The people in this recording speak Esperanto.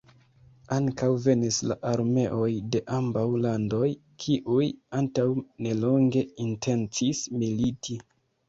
Ankaŭ venis la armeoj de ambaŭ landoj, kiuj antaŭ nelonge intencis militi.